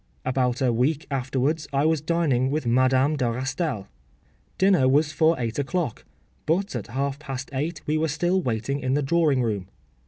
About a week afterwards I was dining with Madame de Rastail. Dinner was for eight o’clock; but at half past eight we were still waiting in the drawing room.